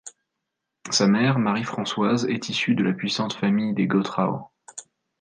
Sa mère, Marie-Françoise, est issue de la puissante famille des Gottrau.